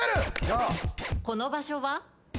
この場所は？